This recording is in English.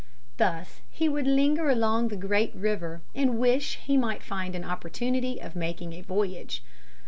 Thus he would linger along the great river and wish he might find an opportunity of making a voyage.